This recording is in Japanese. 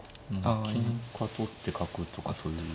取って角とかそういう。